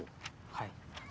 はい。